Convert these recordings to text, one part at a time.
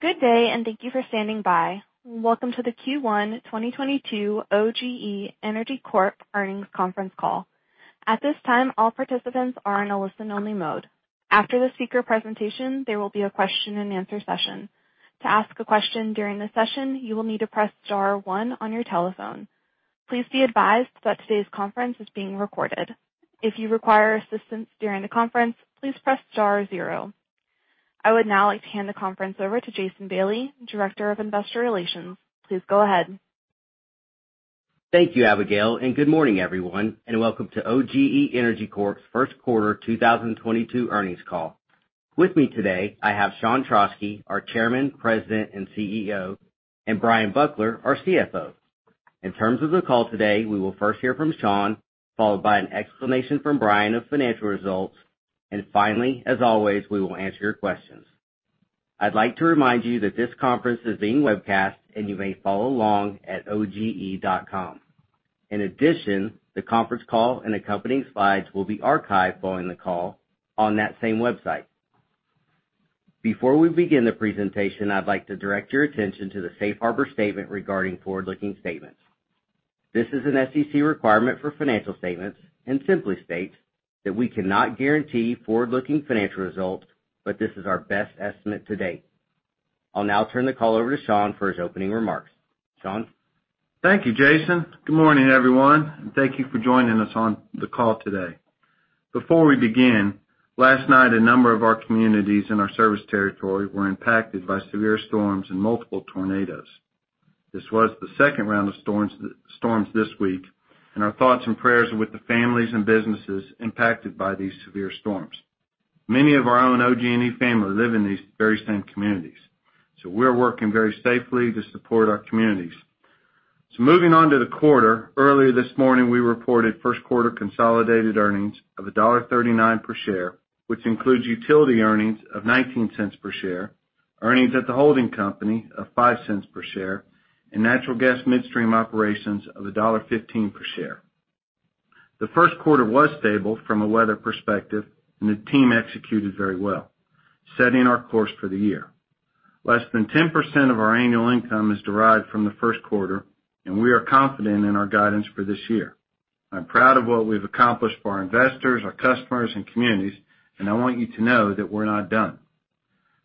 Good day, and thank you for standing by. Welcome to the Q1 2022 OGE Energy Corp earnings conference call. At this time, all participants are in a listen-only mode. After the speaker presentation, there will be a question-and-answer session. To ask a question during the session, you will need to press star one on your telephone. Please be advised that today's conference is being recorded. If you require assistance during the conference, please press star zero. I would now like to hand the conference over to Jason Bailey, Director of Investor Relations. Please go ahead. Thank you, Abigail, and good morning, everyone, and welcome to OGE Energy Corp.'s first quarter 2022 earnings call. With me today, I have Sean Trauschke, our Chairman, President, and CEO, and Bryan Buckler, our CFO. In terms of the call today, we will first hear from Sean, followed by an explanation from Bryan of financial results, and finally, as always, we will answer your questions. I'd like to remind you that this conference is being webcast, and you may follow along at oge.com. In addition, the conference call and accompanying slides will be archived following the call on that same website. Before we begin the presentation, I'd like to direct your attention to the Safe Harbor statement regarding forward-looking statements. This is an SEC requirement for financial statements and simply states that we cannot guarantee forward-looking financial results, but this is our best estimate to date. I'll now turn the call over to Sean for his opening remarks. Sean? Thank you, Jason. Good morning, everyone, and thank you for joining us on the call today. Before we begin, last night, a number of our communities in our service territory were impacted by severe storms and multiple tornadoes. This was the second round of storms this week, and our thoughts and prayers are with the families and businesses impacted by these severe storms. Many of our own OG&E family live in these very same communities, so we're working very safely to support our communities. Moving on to the quarter. Earlier this morning, we reported first quarter consolidated earnings of $1.39 per share, which includes utility earnings of $0.19 per share, earnings at the holding company of $0.05 per share, and natural gas midstream operations of $1.15 per share. The first quarter was stable from a weather perspective and the team executed very well, setting our course for the year. Less than 10% of our annual income is derived from the first quarter, and we are confident in our guidance for this year. I'm proud of what we've accomplished for our investors, our customers, and communities, and I want you to know that we're not done.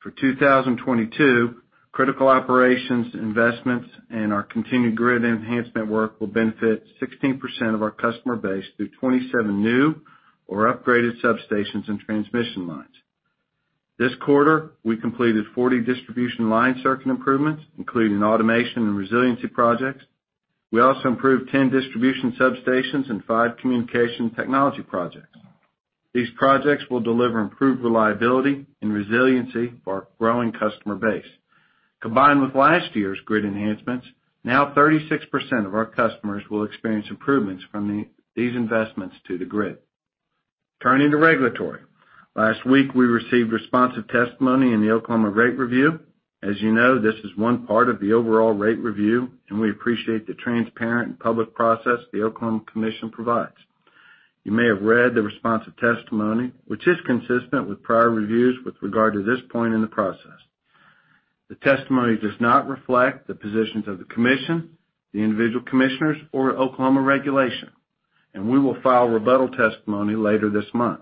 For 2022, critical operations, investments, and our continued grid enhancement work will benefit 16% of our customer base through 27 new or upgraded substations and transmission lines. This quarter, we completed 40 distribution line circuit improvements, including automation and resiliency projects. We also improved 10 distribution substations and five communication technology projects. These projects will deliver improved reliability and resiliency for our growing customer base. Combined with last year's grid enhancements, now 36% of our customers will experience improvements from these investments to the grid. Turning to regulatory. Last week, we received responsive testimony in the Oklahoma rate review. As you know, this is one part of the overall rate review, and we appreciate the transparent and public process the Oklahoma Commission provides. You may have read the responsive testimony, which is consistent with prior reviews with regard to this point in the process. The testimony does not reflect the positions of the commission, the individual commissioners or Oklahoma regulators, and we will file rebuttal testimony later this month.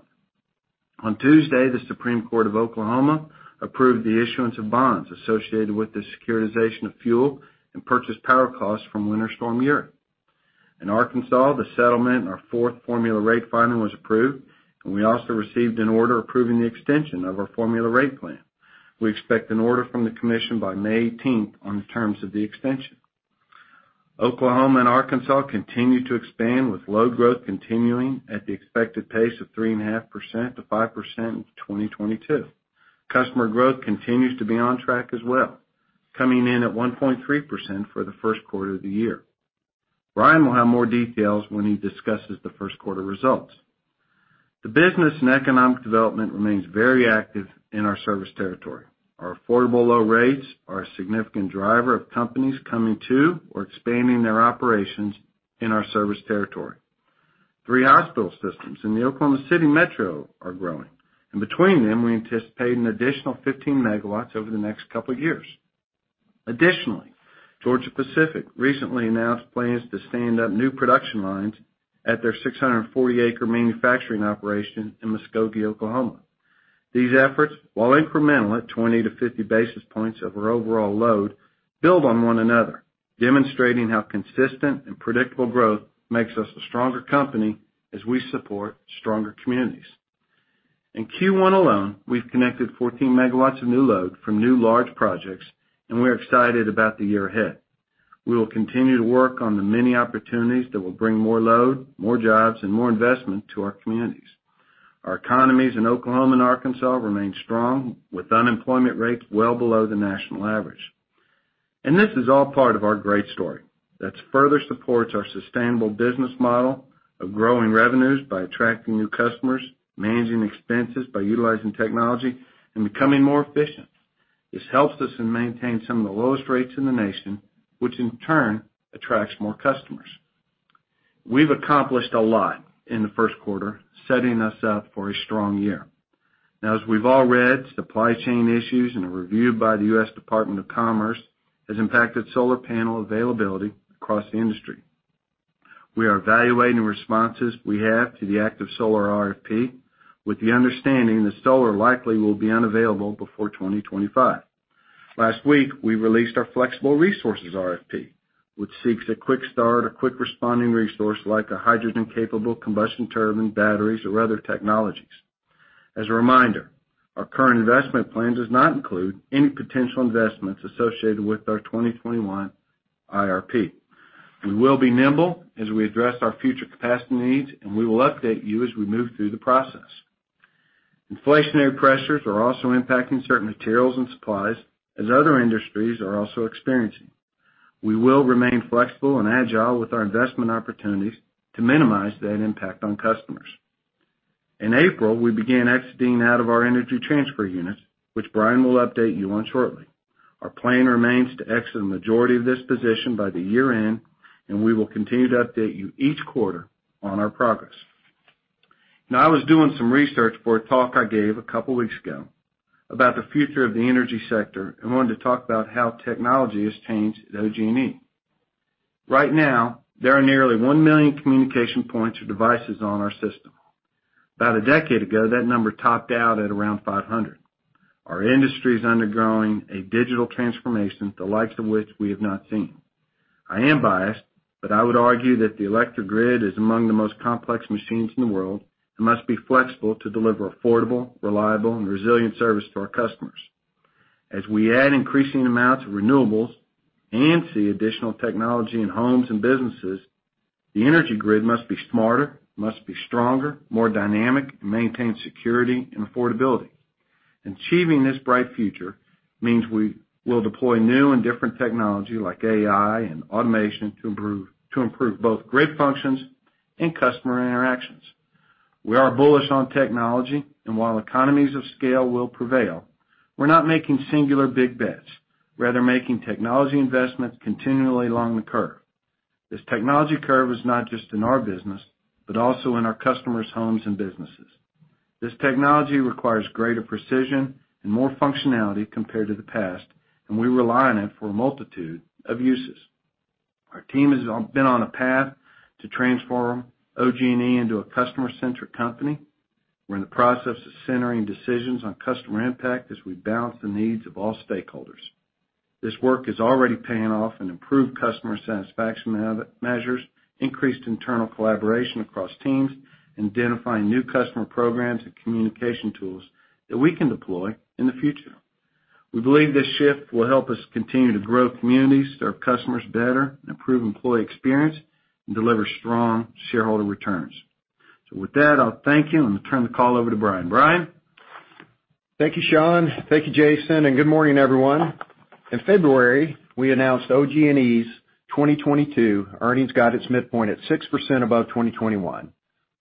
On Tuesday, the Supreme Court of Oklahoma approved the issuance of bonds associated with the securitization of fuel and purchased power costs from Winter Storm Uri. In Arkansas, the settlement and our fourth formula rate filing was approved, and we also received an order approving the extension of our formula rate plan. We expect an order from the commission by May 18 on the terms of the extension. Oklahoma and Arkansas continue to expand, with load growth continuing at the expected pace of 3.5%-5% in 2022. Customer growth continues to be on track as well, coming in at 1.3% for the first quarter of the year. Bryan will have more details when he discusses the first quarter results. The business and economic development remains very active in our service territory. Our affordable low rates are a significant driver of companies coming to or expanding their operations in our service territory. Three hospital systems in the Oklahoma City Metro are growing, and between them, we anticipate an additional 15 MW over the next couple years. Additionally, Georgia-Pacific recently announced plans to stand up new production lines at their 640-acre manufacturing operation in Muskogee, Oklahoma. These efforts, while incremental at 20-50 basis points of our overall load, build on one another, demonstrating how consistent and predictable growth makes us a stronger company as we support stronger communities. In Q1 alone, we've connected 14 MW of new load from new large projects, and we're excited about the year ahead. We will continue to work on the many opportunities that will bring more load, more jobs, and more investment to our communities. Our economies in Oklahoma and Arkansas remain strong, with unemployment rates well below the national average. This is all part of our great story that further supports our sustainable business model of growing revenues by attracting new customers, managing expenses by utilizing technology, and becoming more efficient. This helps us in maintaining some of the lowest rates in the nation, which in turn attracts more customers. We've accomplished a lot in the first quarter, setting us up for a strong year. Now, as we've all read, supply chain issues and a review by the U.S. Department of Commerce has impacted solar panel availability across the industry. We are evaluating the responses we have to the active solar RFP, with the understanding that solar likely will be unavailable before 2025. Last week, we released our flexible resources RFP, which seeks a quick start or quick responding resource like a hydrogen-capable combustion turbine, batteries, or other technologies. As a reminder, our current investment plan does not include any potential investments associated with our 2021 IRP. We will be nimble as we address our future capacity needs, and we will update you as we move through the process. Inflationary pressures are also impacting certain materials and supplies as other industries are also experiencing. We will remain flexible and agile with our investment opportunities to minimize that impact on customers. In April, we began exiting out of our Energy Transfer units, which Bryan will update you on shortly. Our plan remains to exit the majority of this position by the year-end, and we will continue to update you each quarter on our progress. Now, I was doing some research for a talk I gave a couple weeks ago about the future of the energy sector and wanted to talk about how technology has changed at OG&E. Right now, there are nearly 1 million communication points or devices on our system. About a decade ago, that number topped out at around 500. Our industry is undergoing a digital transformation, the likes of which we have not seen. I am biased, but I would argue that the electric grid is among the most complex machines in the world and must be flexible to deliver affordable, reliable and resilient service to our customers. As we add increasing amounts of renewables and see additional technology in homes and businesses, the energy grid must be smarter, must be stronger, more dynamic, and maintain security and affordability. Achieving this bright future means we will deploy new and different technology like AI and automation to improve both grid functions and customer interactions. We are bullish on technology, and while economies of scale will prevail, we're not making singular big bets, rather making technology investments continually along the curve. This technology curve is not just in our business, but also in our customers' homes and businesses. This technology requires greater precision and more functionality compared to the past, and we rely on it for a multitude of uses. Our team has been on a path to transform OG&E into a customer-centric company. We're in the process of centering decisions on customer impact as we balance the needs of all stakeholders. This work is already paying off in improved customer satisfaction measures, increased internal collaboration across teams, identifying new customer programs and communication tools that we can deploy in the future. We believe this shift will help us continue to grow communities, serve customers better, improve employee experience, and deliver strong shareholder returns. With that, I'll thank you and turn the call over to Bryan. Bryan? Thank you, Sean. Thank you, Jason, and good morning, everyone. In February, we announced OG&E's 2022 earnings guidance midpoint at 6% above 2021,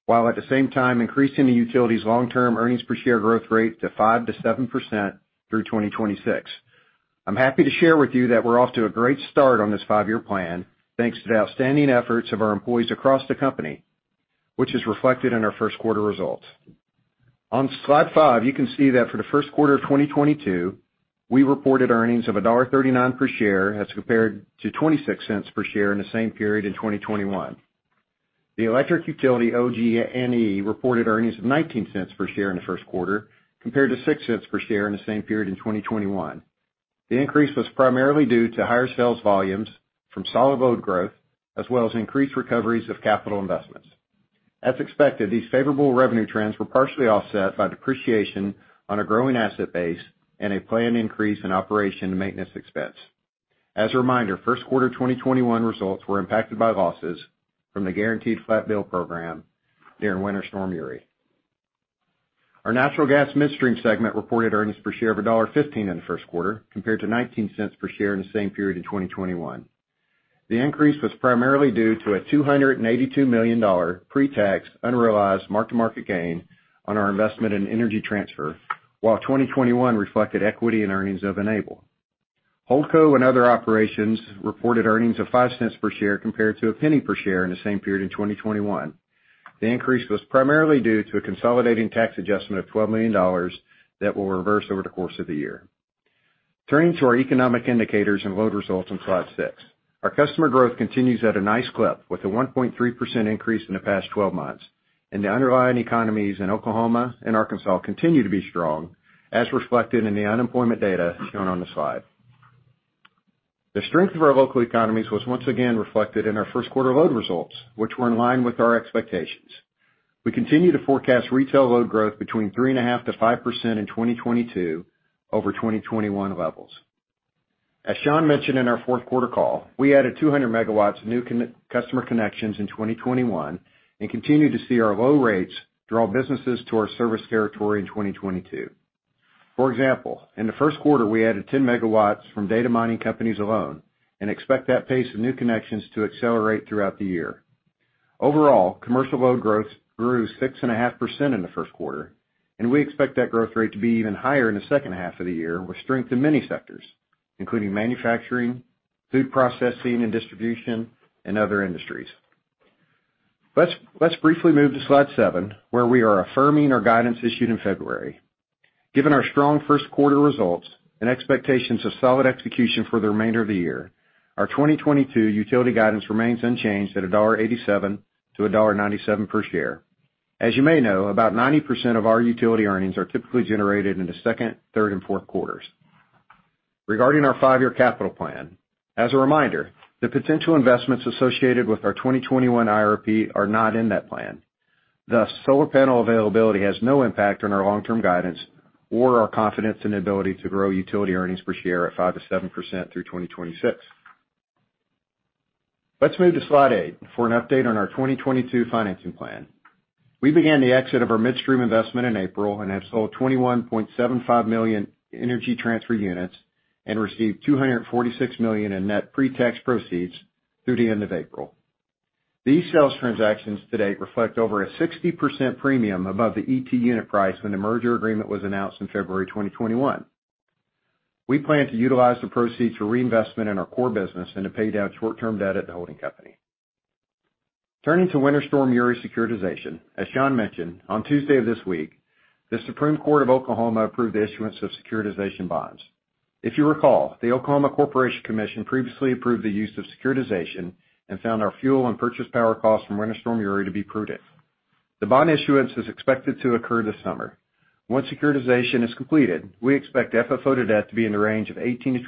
while at the same time increasing the utility's long-term earnings per share growth rate to 5%-7% through 2026. I'm happy to share with you that we're off to a great start on this five-year plan thanks to the outstanding efforts of our employees across the company, which is reflected in our first quarter results. On slide five, you can see that for the first quarter of 2022, we reported earnings of $1.39 per share as compared to $0.26 per share in the same period in 2021. The electric utility, OG&E, reported earnings of $0.19 per share in the first quarter, compared to $0.06 per share in the same period in 2021. The increase was primarily due to higher sales volumes from solid load growth, as well as increased recoveries of capital investments. As expected, these favorable revenue trends were partially offset by depreciation on a growing asset base and a planned increase in operation and maintenance expense. As a reminder, first quarter 2021 results were impacted by losses from the Guaranteed Flat Bill program during Winter Storm Uri. Our natural gas midstream segment reported earnings per share of $1.15 in the first quarter, compared to $0.19 per share in the same period in 2021. The increase was primarily due to a $282 million pre-tax unrealized mark-to-market gain on our investment in Energy Transfer, while 2021 reflected equity and earnings of Enable. Holdco and other operations reported earnings of $0.05 per share compared to $0.01 per share in the same period in 2021. The increase was primarily due to a consolidating tax adjustment of $12 million that will reverse over the course of the year. Turning to our economic indicators and load results on slide six. Our customer growth continues at a nice clip with a 1.3% increase in the past 12 months, and the underlying economies in Oklahoma and Arkansas continue to be strong, as reflected in the unemployment data shown on the slide. The strength of our local economies was once again reflected in our first quarter load results, which were in line with our expectations. We continue to forecast retail load growth between 3.5%-5% in 2022 over 2021 levels. As Sean mentioned in our fourth quarter call, we added 200 MW of new customer connections in 2021 and continue to see our low rates draw businesses to our service territory in 2022. For example, in the first quarter, we added 10 MW from data mining companies alone and expect that pace of new connections to accelerate throughout the year. Overall, commercial load growth grew 6.5% in the first quarter, and we expect that growth rate to be even higher in the second half of the year with strength in many sectors, including manufacturing, food processing and distribution, other industries. Let's briefly move to slide seven, where we are affirming our guidance issued in February. Given our strong first quarter results and expectations of solid execution for the remainder of the year, our 2022 utility guidance remains unchanged at $1.87-$1.97 per share. As you may know, about 90% of our utility earnings are typically generated in the second, third, and fourth quarters. Regarding our five-year capital plan, as a reminder, the potential investments associated with our 2021 IRP are not in that plan. Thus, solar panel availability has no impact on our long-term guidance or our confidence and ability to grow utility earnings per share at 5%-7% through 2026. Let's move to slide eight for an update on our 2022 financing plan. We began the exit of our midstream investment in April and have sold 21.75 million Energy Transfer units and received $246 million in net pre-tax proceeds through the end of April. These sales transactions to date reflect over a 60% premium above the ET unit price when the merger agreement was announced in February 2021. We plan to utilize the proceeds for reinvestment in our core business and to pay down short-term debt at the holding company. Turning to Winter Storm Uri securitization. As Sean mentioned, on Tuesday of this week, the Supreme Court of Oklahoma approved the issuance of securitization bonds. If you recall, the Oklahoma Corporation Commission previously approved the use of securitization and found our fuel and purchase power costs from Winter Storm Uri to be prudent. The bond issuance is expected to occur this summer. Once securitization is completed, we expect FFO to debt to be in the range of 18%-20%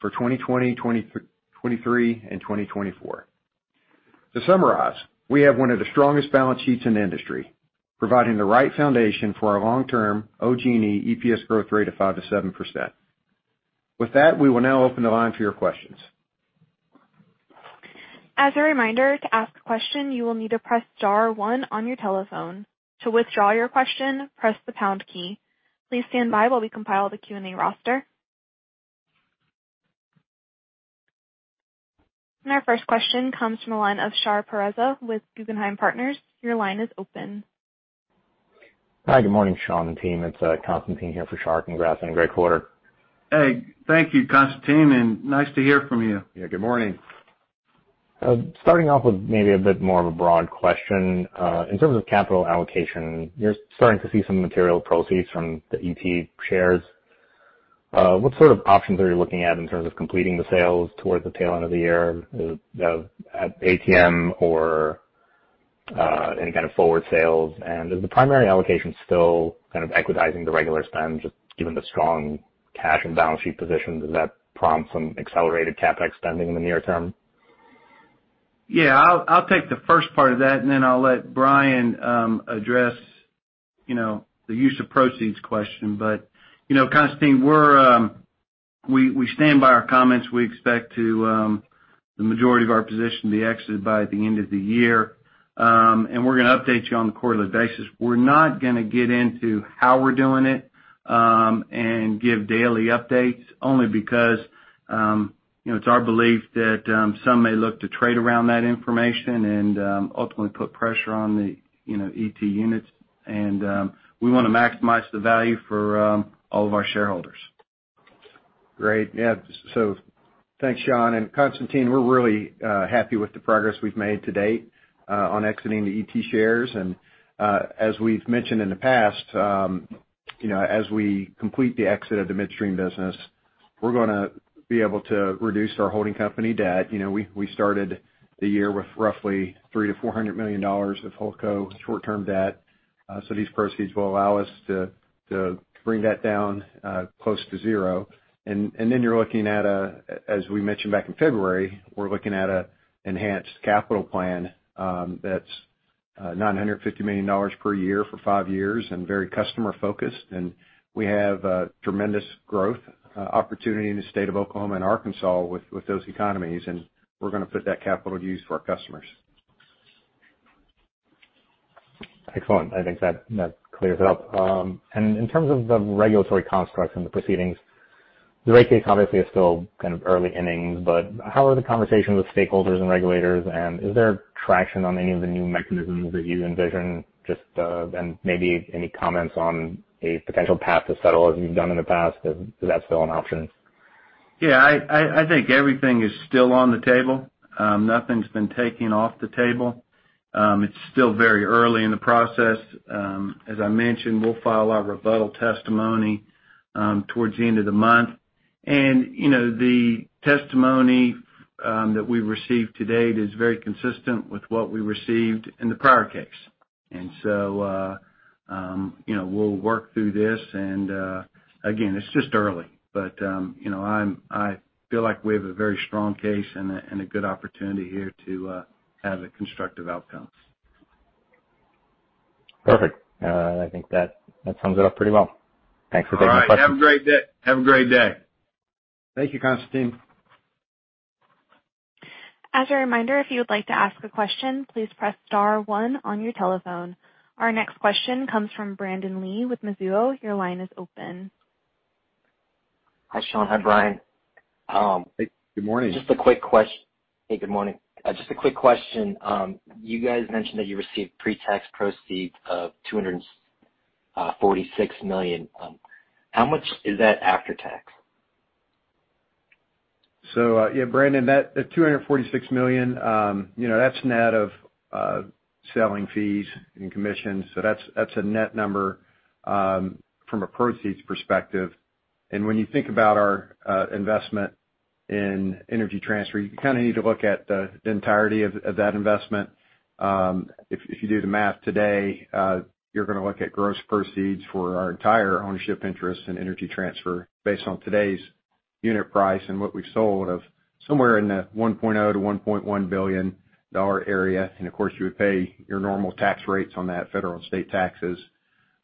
for 2022, 2023, and 2024. To summarize, we have one of the strongest balance sheets in the industry, providing the right foundation for our long-term OG&E EPS growth rate of 5%-7%. With that, we will now open the line for your questions. As a reminder, to ask a question, you will need to press star one on your telephone. To withdraw your question, press the pound key. Please stand by while we compile the Q&A roster. Our first question comes from the line of Shar Pourreza with Guggenheim Partners. Your line is open. Hi, good morning, Sean and team. It's Constantine here for Shar. Congrats on a great quarter. Hey, thank you, Constantine, and nice to hear from you. Yeah, good morning. Starting off with maybe a bit more of a broad question, in terms of capital allocation, you're starting to see some material proceeds from the ET shares. What sort of options are you looking at in terms of completing the sales towards the tail end of the year, at ATM or any kind of forward sales? And is the primary allocation still kind of equitizing the regular spend, just given the strong cash and balance sheet position? Does that prompt some accelerated CapEx spending in the near term? Yeah, I'll take the first part of that, and then I'll let Bryan address, you know, the use of proceeds question. You know, Constantine, we stand by our comments. We expect the majority of our position to be exited by the end of the year. We're gonna update you on a quarterly basis. We're not gonna get into how we're doing it and give daily updates only because, you know, it's our belief that some may look to trade around that information and ultimately put pressure on the, you know, ET units. We wanna maximize the value for all of our shareholders. Great. Yeah, thanks, Sean. Constantine, we're really happy with the progress we've made to date on exiting the ET shares. As we've mentioned in the past, you know, as we complete the exit of the midstream business, we're gonna be able to reduce our holding company debt. You know, we started the year with roughly $300 million-$400 million of holdco short-term debt. So these proceeds will allow us to bring that down close to zero. Then, as we mentioned back in February, we're looking at an enhanced capital plan that's $950 million per year for five years and very customer focused. We have tremendous growth opportunity in the state of Oklahoma and Arkansas with those economies, and we're gonna put that capital to use for our customers. Excellent. I think that clears it up. In terms of the regulatory construct and the proceedings, the rate case obviously is still kind of early innings, but how are the conversations with stakeholders and regulators? Is there traction on any of the new mechanisms that you envision just, and maybe any comments on a potential path to settle as you've done in the past? Is that still an option? Yeah, I think everything is still on the table. Nothing's been taken off the table. It's still very early in the process. As I mentioned, we'll file our rebuttal testimony towards the end of the month. You know, the testimony that we've received to date is very consistent with what we received in the prior case. You know, we'll work through this and again, it's just early. I feel like we have a very strong case and a good opportunity here to have a constructive outcome. Perfect. I think that sums it up pretty well. Thanks for taking the question. All right. Have a great day. Thank you, Constantine. As a reminder, if you would like to ask a question, please press star one on your telephone. Our next question comes from Brandon Lee with Mizuho. Your line is open. Hi, Sean. Hi, Bryan. Hey, good morning. Hey, good morning. Just a quick question. You guys mentioned that you received pre-tax proceeds of $246 million. How much is that after tax? Brandon, that the $246 million, you know, that's net of selling fees and commissions. That's a net number from a proceeds perspective. When you think about our investment in Energy Transfer, you kinda need to look at the entirety of that investment. If you do the math today, you're gonna look at gross proceeds for our entire ownership interest in Energy Transfer based on today's unit price and what we've sold of somewhere in the $1.0 billion-$1.1 billion area. Of course, you would pay your normal tax rates on that, federal and state taxes.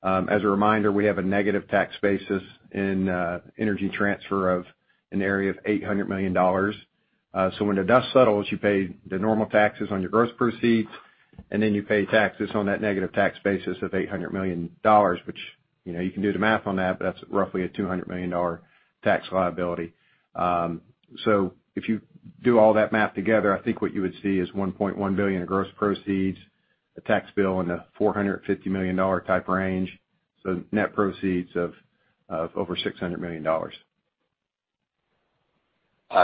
As a reminder, we have a negative tax basis in Energy Transfer of an area of $800 million. When the dust settles, you pay the normal taxes on your gross proceeds, and then you pay taxes on that negative tax basis of $800 million, which, you know, you can do the math on that, but that's roughly a $200 million tax liability. If you do all that math together, I think what you would see is $1.1 billion of gross proceeds, a tax bill in the $450 million type range, so net proceeds of over $600 million.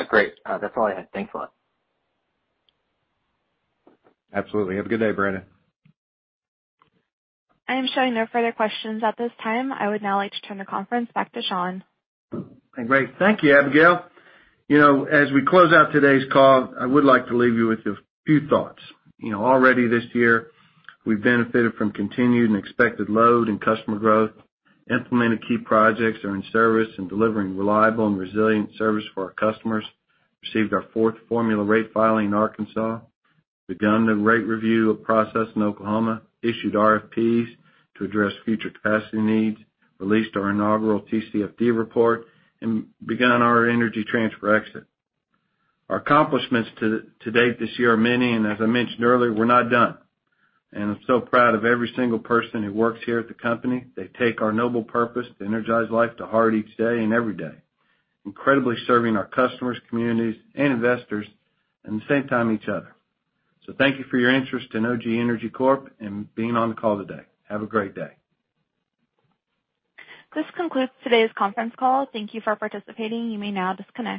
Great. That's all I had. Thanks a lot. Absolutely. Have a good day, Brandon. I am showing no further questions at this time. I would now like to turn the conference back to Sean. Great. Thank you, Abigail. You know, as we close out today's call, I would like to leave you with a few thoughts. You know, already this year, we've benefited from continued and expected load and customer growth, implemented key projects are in service and delivering reliable and resilient service for our customers, received our fourth formula rate filing in Arkansas, begun the rate review process in Oklahoma, issued RFPs to address future capacity needs, released our inaugural TCFD report, and begun our Energy Transfer exit. Our accomplishments to date this year are many, and as I mentioned earlier, we're not done. I'm so proud of every single person who works here at the company. They take our noble purpose to energize life to heart each day and every day, incredibly serving our customers, communities, and investors, and at the same time each other. Thank you for your interest in OGE Energy Corp., and being on the call today. Have a great day. This concludes today's conference call. Thank you for participating. You may now disconnect.